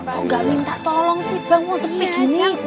gak minta tolong sih bang gak usah begini